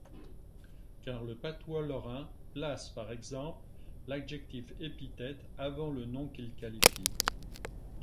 Car le patois lorrain place par exemple l’adjectif épithète avant le nom qu’il qualifie.